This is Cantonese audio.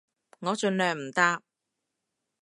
我盡量唔搭